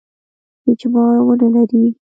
اجماع نه ولري.